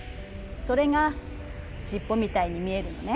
それが尻尾みたいに見えるのね。